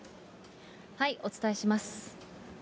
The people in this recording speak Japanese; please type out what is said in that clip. お伝えします。